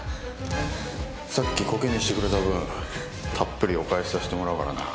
さっきコケにしてくれた分たっぷりお返しさせてもらうからな。